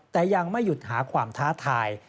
แต่ยังไม่หยุดหาความท้าทาย